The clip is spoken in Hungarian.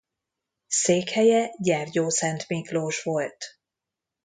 Székhelye Gyergyószentmiklós volt.